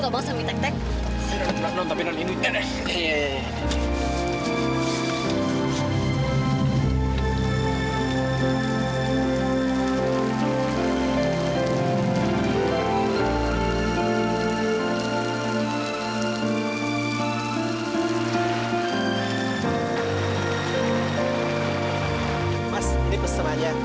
mas ini pesemanya